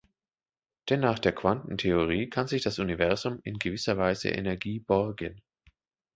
Denn nach der Quantentheorie kann sich das Universum in gewisser Weise Energie „borgen“.